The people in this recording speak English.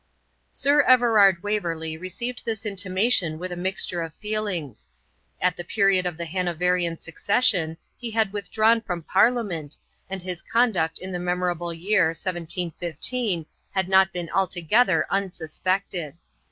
Sir Everard Waverley received this intimation with a mixture of feelings. At the period of the Hanoverian succession he had withdrawn from parliament, and his conduct in the memorable year 1715 had not been altogether unsuspected.